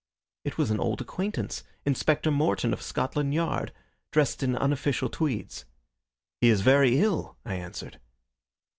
It was an old acquaintance, Inspector Morton, of Scotland Yard, dressed in unofficial tweeds. "He is very ill," I answered.